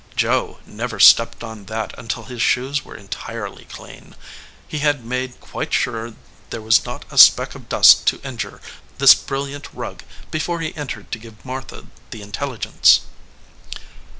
Joe never stepped on that until his shoes were entirely clean. He had made quite sure there was not a speck of dust to injure this brilliant rug before he entered to give Martha the intelligence.